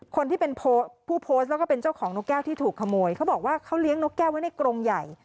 คนที่เป็นผู้โพสต์แล้วก็เป็นเจ้าของนกแก้วที่ถูกขโมยเขาบอกว่าเขาเลี้ยงนกแก้วไว้ในกรงใหญ่